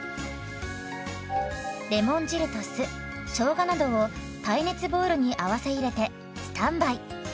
レモン汁と酢しょうがなどを耐熱ボウルに合わせ入れてスタンバイ。